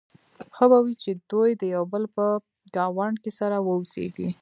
ښه به وي چې دوی د یو بل په ګاونډ کې سره واوسيږي.